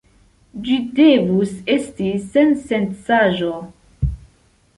Ĝi devus esti sensencaĵo.